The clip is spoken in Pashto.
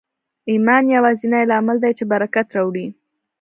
ایمان یوازېنی لامل دی چې برکت راوړي